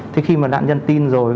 thì khi mà nạn nhân tin rồi